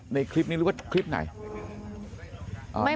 ในคลิปนี้หรือว่าคลิปไหน